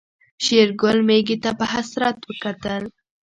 شېرګل ميږې ته په حسرت وکتل.